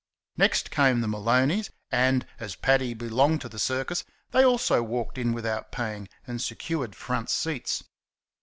Next came the Maloneys, and, as Paddy belonged to the circus, they also walked in without paying, and secured front seats.